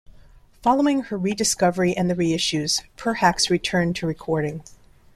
Following her rediscovery and the reissues, Perhacs returned to recording.